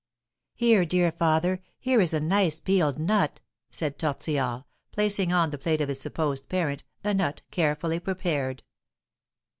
"Here, dear father! here is a nice peeled nut," said Tortillard, placing on the plate of his supposed parent a nut carefully prepared.